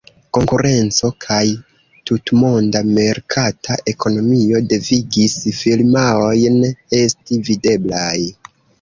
Konkurenco kaj tutmonda merkata ekonomio devigis firmaojn esti videblaj.